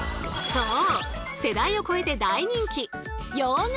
そう！